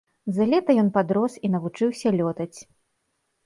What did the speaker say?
За лета ён падрос і навучыўся лётаць.